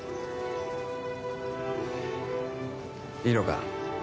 いいのか？